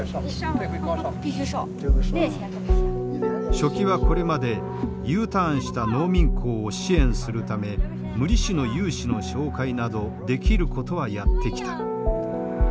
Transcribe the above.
書記はこれまでＵターンした農民工を支援するため無利子の融資の紹介などできることはやってきた。